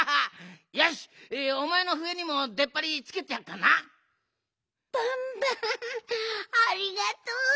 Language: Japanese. よしおまえのふえにもでっぱりつけてやっからな！バンバンありがとう。